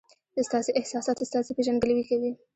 ستاسي احساسات ستاسي پېژندګلوي کوي.